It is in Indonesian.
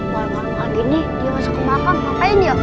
warna warna gini dia masuk ke makam ngapain ya